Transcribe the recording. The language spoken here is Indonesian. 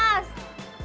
lalu tambahkan kue